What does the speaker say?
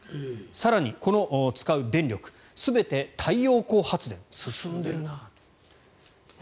更に、使う電力全て太陽光発電進んでるな。